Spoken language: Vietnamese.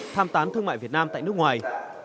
tham tán thương mại việt nam tại nước ngoài